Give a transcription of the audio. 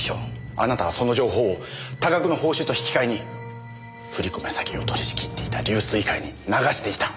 あなたはその情報を多額の報酬と引き替えに振り込め詐欺を取り仕切っていた龍翠会に流していた。